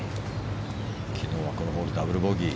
昨日はこのホールダブルボギー。